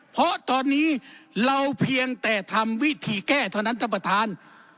เพราะตอนนี้เราเพียงแต่ทำวิธีแก้เท่านั้นท่านประธาน